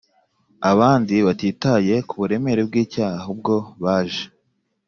aband ibatitaye ku buremere bw’icyaha, ahubwo baje